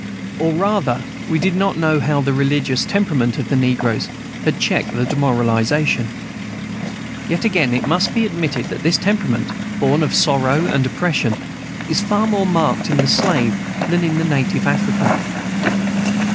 Or rather, we did not know how the religious temperament of the negroes had checked the demoralization. Yet again, it must be admitted that this temperament, born of sorrow and oppression, is far more marked in the slave than in the native African.